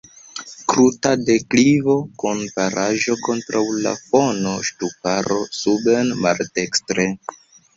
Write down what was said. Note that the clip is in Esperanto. Kruta deklivo kun baraĵo kontraŭ la fono; ŝtuparo suben maldekstre.